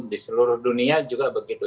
di seluruh dunia juga begitu